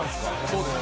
そうです。